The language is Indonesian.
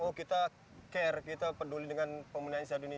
oh kita care kita peduli dengan peminat indonesia di sini